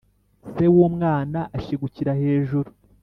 se w'umwana ashigukira hejuru